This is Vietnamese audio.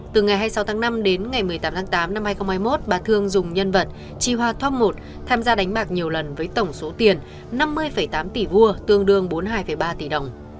từ ngày hai mươi sáu tháng năm đến ngày một mươi tám tháng tám năm hai nghìn hai mươi một bà thương dùng nhân vật chi hoa top một tham gia đánh bạc nhiều lần với tổng số tiền năm mươi tám tỷ vuông tương đương bốn mươi hai ba tỷ đồng